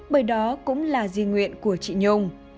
bởi đó cũng là di nguyện của chị nhung